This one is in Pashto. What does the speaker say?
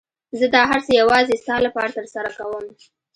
زه دا هر څه يوازې ستا لپاره ترسره کوم.